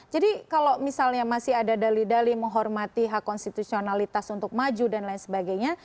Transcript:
jadi kalau misalnya masih ada dali dali menghormati hak konstitusionalitas untuk maju dan lain sebagainya